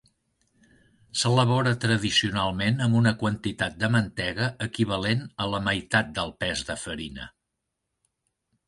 S'elabora tradicionalment amb una quantitat de mantega equivalent a la meitat del pes de farina.